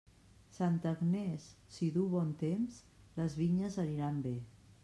Santa Agnès si duu bon temps, les vinyes aniran bé.